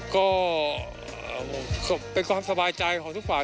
ก็เป็นความสบายใจของทุกฝ่าย